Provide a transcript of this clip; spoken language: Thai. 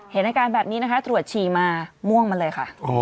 อาการแบบนี้นะคะตรวจฉี่มาม่วงมาเลยค่ะ